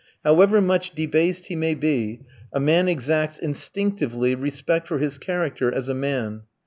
However much debased he may be, a man exacts instinctively respect for his character as a man.